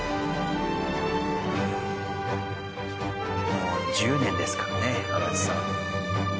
もう１０年ですからね安達さん。